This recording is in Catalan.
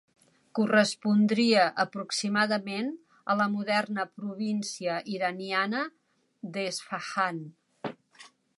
Correspondria aproximadament a la moderna província iraniana d'Esfahan.